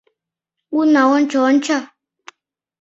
Уна, ончо, ончо!